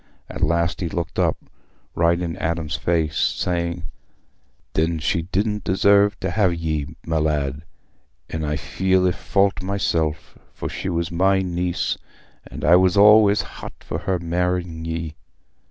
At last he looked up, right in Adam's face, saying, "Then she didna deserve t' ha' ye, my lad. An' I feel i' fault myself, for she was my niece, and I was allays hot for her marr'ing ye.